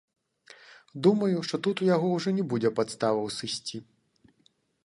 Думаю, што тут у яго ўжо не будзе падставаў сысці.